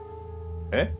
えっ？